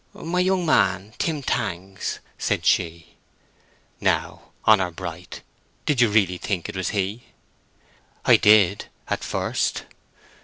"My young man, Tim Tangs," said she. "Now, honor bright, did you really think it was he?" "I did at first."